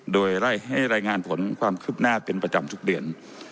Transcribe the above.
โดยให้รายงานผลความคืบหน้าเป็นประจำทุกเดือน